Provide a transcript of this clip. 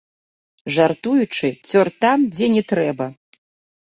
Жартуючы, цёр там, дзе не трэба.